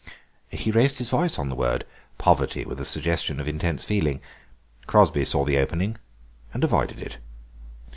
He raised his voice on the word "poverty" with a suggestion of intense feeling. Crosby saw the opening and avoided it.